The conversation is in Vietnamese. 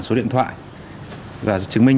số điện thoại và chứng minh